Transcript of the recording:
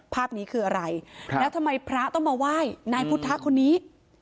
ภาพนี้คืออะไรแล้วทำไมพระต้องมาไหว้นายพุทธคนนี้